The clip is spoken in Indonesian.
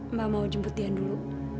mbak mau jemput dia dulu